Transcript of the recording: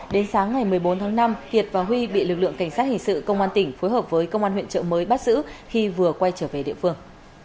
đến sáng ngày một mươi bốn tháng năm kiệt và huy bị lực lượng cảnh sát hình sự công an tỉnh phối hợp với công an huyện trợ mới bắt giữ khi vừa quay trở về địa phương